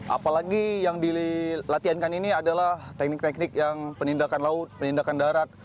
apalagi yang dilatiankan ini adalah teknik teknik yang penindakan laut penindakan darat